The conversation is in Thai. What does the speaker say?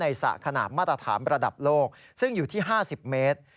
สระขนาดมาตรฐานระดับโลกซึ่งอยู่ที่๕๐เมตร